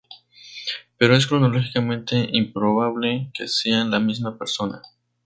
Pero es cronológicamente improbable que sean la misma persona.